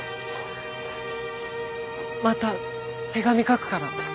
また手紙書くから。